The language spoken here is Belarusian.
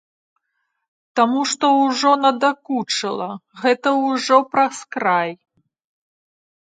Таму што ўжо надакучыла, гэта ўжо праз край.